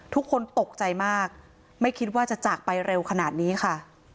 ทุกคนตกใจมากไม่คิดว่าจะจากไปเร็วขนาดนี้ค่ะ